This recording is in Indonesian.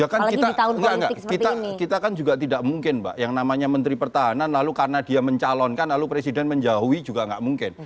ya kan kita enggak kita kan juga tidak mungkin mbak yang namanya menteri pertahanan lalu karena dia mencalonkan lalu presiden menjauhi juga nggak mungkin